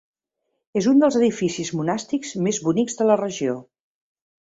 És un dels edificis monàstics més bonics de la regió.